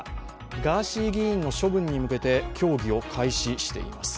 ガーシー議員の処分に向けて、協議を開始しています。